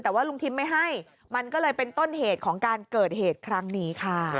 แต่ว่าลุงทิมไม่ให้มันก็เลยเป็นต้นเหตุของการเกิดเหตุครั้งนี้ค่ะ